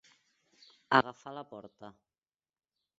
Agafar la porta.